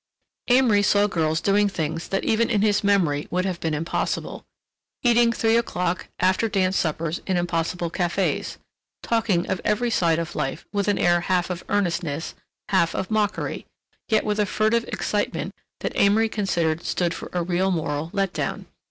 Amory saw girls doing things that even in his memory would have been impossible: eating three o'clock, after dance suppers in impossible cafes, talking of every side of life with an air half of earnestness, half of mockery, yet with a furtive excitement that Amory considered stood for a real moral let down.